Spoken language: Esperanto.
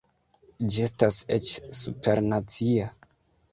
Ĝi estas eĉ supernacia.